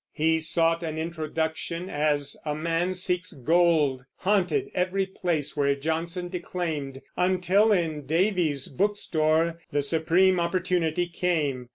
He sought an introduction as a man seeks gold, haunted every place where Johnson declaimed, until in Davies's bookstore the supreme opportunity came.